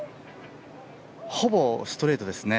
ほぼストレートですね。